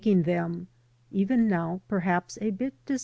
^addag them, even now perhaps a bit dis